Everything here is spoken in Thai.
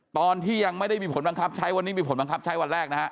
ตอนที่ยังไม่ได้มีผลบังคับใช้วันนี้มีผลบังคับใช้วันแรกนะฮะ